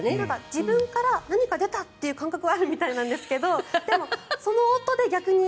自分から何か出たという感覚はあるみたいなんですけど